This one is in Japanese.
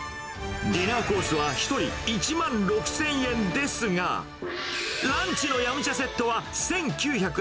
ディナーコースは１人１万６０００円ですが、ランチの飲茶セットは、１９８０円。